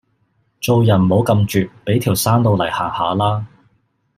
做人唔好咁絕俾條生路嚟行吓啦